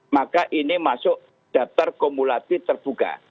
maka ini masuk daftar kumulatif terbuka